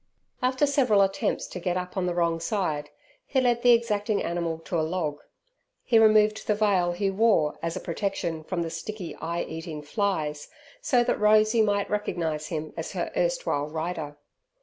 After several attempts to get up on the wrong side, he led the exacting animal to a log. He removed the veil he wore as a protection from the sticky eye eating flies, so that Rosey might recognize him as her erstwhile rider.